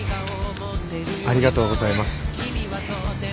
ありがとうございます。